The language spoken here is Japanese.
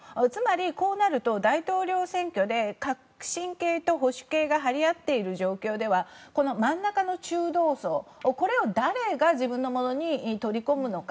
こうなると大統領選挙で革新系と保守系が張り合っている状況では真ん中の中道層を誰が自分のものに取り込むのか。